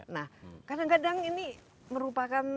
nah kadang kadang ini merupakan